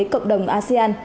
cộng đồng asean